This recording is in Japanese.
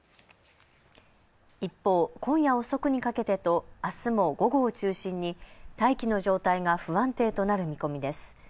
一方、今夜遅くにかけてとあすも午後を中心に大気の状態が不安定となる見込みです。